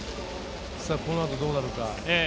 この後どうなるか。